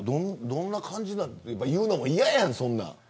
どんな感じですか言うのも嫌やん、そんなん。